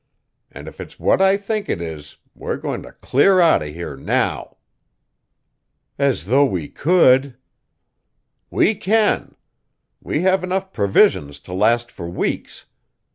And if it's what I think it is we're going to clear out of here now!" "As though we could!" "We can! We have enough provisions to last for weeks.